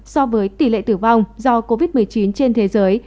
so với tỷ lệ tử vong do covid một mươi chín trên thế giới